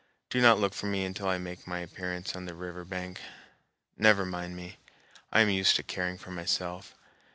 Do not look for me until I make my appearance on the river bank. Never mind me. I am used to caring for myself."